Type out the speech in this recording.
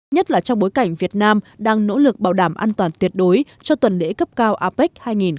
nhất là trong bối cảnh việt nam đang nỗ lực bảo đảm an toàn tuyệt đối cho tuần lễ cấp cao apec hai nghìn hai mươi